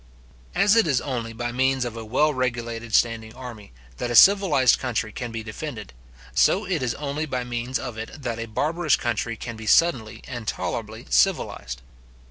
As it is only by means of a well regulated standing army, that a civilized country can be defended, so it is only by means of it that a barbarous country can be suddenly and tolerably civilized.